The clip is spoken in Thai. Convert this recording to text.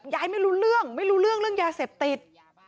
ไม่รู้เรื่องไม่รู้เรื่องเรื่องยาเสพติด